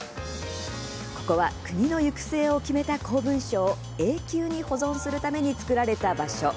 ここは、国の行く末を決めた公文書を永久に保存するために作られた場所。